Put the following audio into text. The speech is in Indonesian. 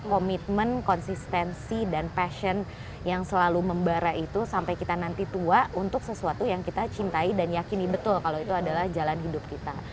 komitmen konsistensi dan passion yang selalu membara itu sampai kita nanti tua untuk sesuatu yang kita cintai dan yakini betul kalau itu adalah jalan hidup kita